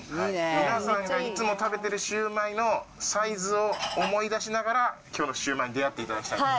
皆さんがいつも食べているシューマイのサイズを思い出しながら、きょうのシューマイに出会っていただきたいんです。